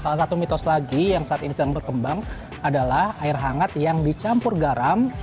salah satu mitos lagi yang saat ini sedang berkembang adalah air hangat yang dicampur garam